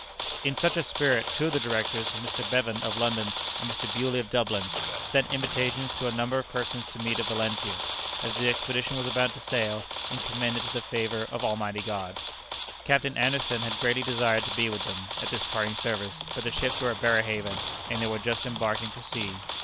In such a spirit two of the directors Mr. Bevan, of London, and Mr. Bewley, of Dublin sent invitations to a number of persons to meet at Valentia, as the expedition was about to sail, and commend it to the favor of Almighty God. Captain Anderson had greatly desired to be with them at this parting service, but the ships were at Berehaven, and they were just embarking for sea.